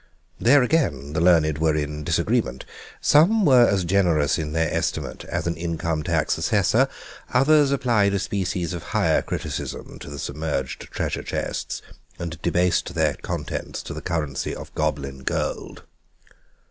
There again the learned were in disagreement. Some were as generous in their estimate as an income tax assessor, others applied a species of higher criticism to the submerged treasure chests, and debased their contents to the currency of goblin gold.